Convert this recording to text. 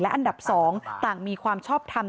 อันดับ๒ต่างมีความชอบทำ